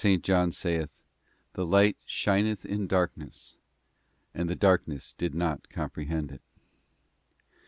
ness, for as St. John saith, 'The light shineth in darkness, ——— and the darkness did not comprehend it.